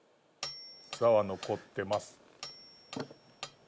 「ざ」は残ってます。